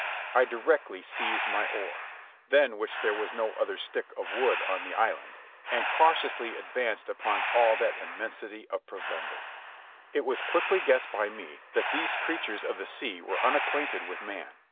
I directly seized my oar—than which there was no other stick of wood on the island—and cautiously advanced upon all that immensity of provender. It was quickly guessed by me that these creatures of the sea were unacquainted with man.